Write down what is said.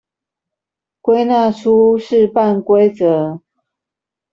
歸納出試辦規則